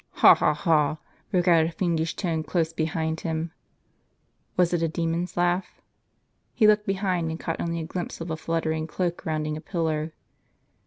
"Ha! ha! ha!" broke out a fiendish tone close behind him. Was it a demon's laugh? He looked behind, and caught only a glimpse of a fluttering cloak rounding a pillar.